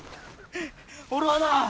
俺はな